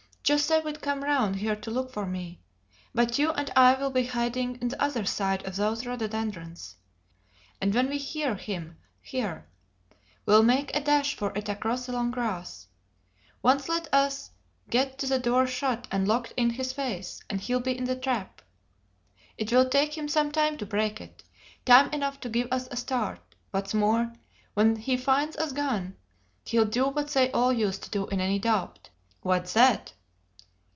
José will come round here to look for me. But you and I will be hiding on the other side of these rhododendrons. And when we hear him here we'll make a dash for it across the long grass. Once let us get the door shut and locked in his face, and he'll be in a trap. It will take him some time to break in; time enough to give us a start; what's more, when he finds us gone, he'll do what they all used to do in any doubt." "What's that?"